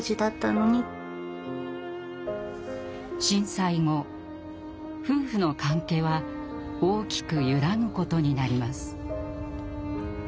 震災後夫婦の関係は大きく揺らぐことになります。